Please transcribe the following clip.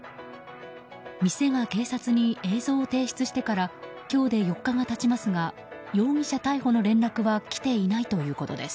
店が警察に映像を提出してから今日で４日が経ちますが容疑者逮捕の連絡は来ていないということです。